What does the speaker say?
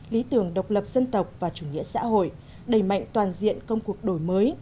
lý tưởng độc lập dân tộc và chủ nghĩa xã hội đầy mạnh toàn diện công cuộc đổi mới